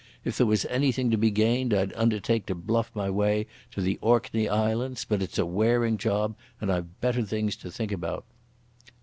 If there was anything to be gained I'd undertake to bluff my way to the Orkney Islands. But it's a wearing job and I've better things to think about."